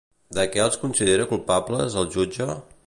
De què els considera culpables el jutge?